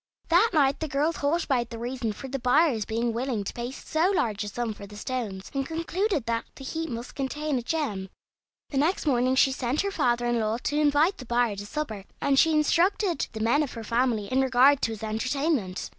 That night the girl thought about the reason for the buyer's being willing to pay so large a sum for the stones, and concluded that the heap must contain a gem. The next morning she sent her father in law to invite the buyer to supper, and she instructed the men of her family in regard to his entertainment.